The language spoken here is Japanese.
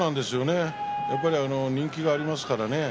やっぱり人気がありますからね。